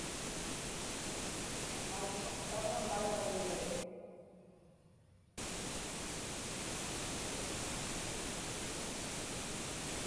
Aitchuqtaŋa malġuŋnik.